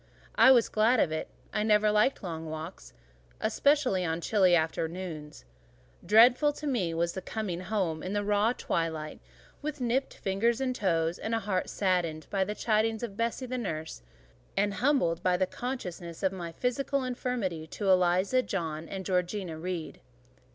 I was glad of it: I never liked long walks, especially on chilly afternoons: dreadful to me was the coming home in the raw twilight, with nipped fingers and toes, and a heart saddened by the chidings of Bessie, the nurse, and humbled by the consciousness of my physical inferiority to Eliza, John, and Georgiana Reed.